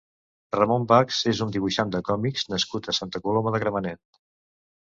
Ramón Bachs és un dibuixant de còmics nascut a Santa Coloma de Gramenet.